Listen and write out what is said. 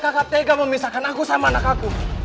kenapa kakak tegas memisahkan aku sama anak aku